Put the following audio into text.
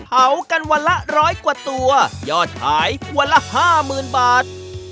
เผากันวันละร้อยกว่าตัวยอดขายวันละ๕๐๐๐บาท